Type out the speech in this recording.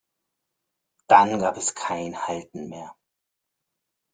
Dann gab es kein Halten mehr.